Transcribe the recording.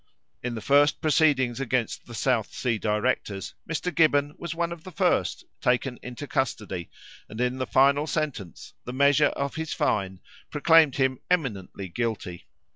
In the first proceedings against the South Sea directors, Mr. Gibbon was one of the first taken into custody, and in the final sentence the measure of his fine proclaimed him eminently guilty.